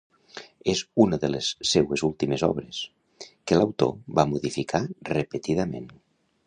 És una de les seues últimes obres, que l'autor va modificar repetidament.